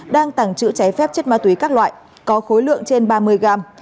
đang tàng trữ trái phép chất ma túy các loại có khối lượng trên ba mươi gram